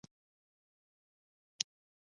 ایا مصنوعي ځیرکتیا د انساني مسؤلیت بار نه زیاتوي؟